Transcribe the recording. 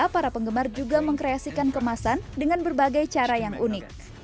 para penggemar juga mengkreasikan kemasan dengan berbagai cara yang unik